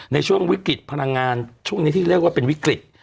ในช่วงวิกฤตพลังงานช่วงนี้ที่เรียกว่าเป็นวิกฤต